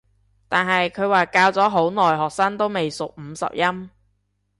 但係佢話教咗好耐學生都未熟五十音